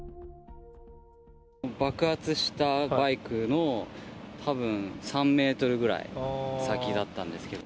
爆発したバイクのたぶん３メートルぐらい先だったんですけど。